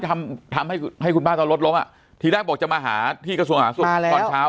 ที่ทำให้คุณบ้านตอนรถลงอ่ะทีแรกบอกจะมาหาที่กระทรวงหาศุกร์ตอนเช้า